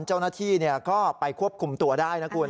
เจ้าหน้าที่ก็ไปควบคุมตัวได้นะคุณ